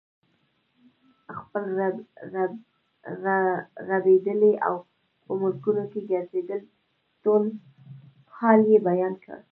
خپل ربړېدل او په ملکونو کې ګرځېدل ټول حال یې بیان کړ.